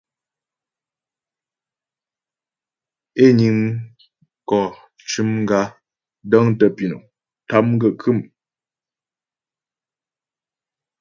É niŋ mkɔ cʉm gǎ, dəŋtə pǐnɔm, tâm gaə́ khə̌mmm.